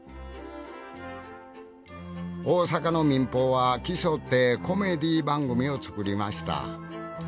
大阪の民放は競ってコメディー番組を作りました。